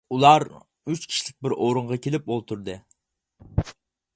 ئۇلار ئۈچ كىشىلىك بىر ئورۇنغا كېلىپ ئولتۇردى.